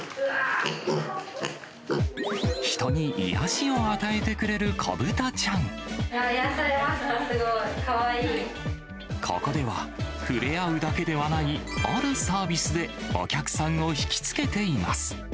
人に癒やしを与えてくれる子癒やされました、すごいかわここでは、触れ合うだけではない、あるサービスで、お客さんを引き付けています。